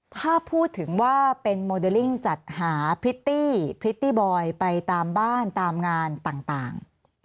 ถ้าพูดถึงว่าเป็นโมเดลลิ่งจัดหาพริตตี้พริตตี้บอยไปตามบ้านตามงานต่าง